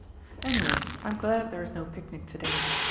"Anyway, I'm glad there is no picnic to day.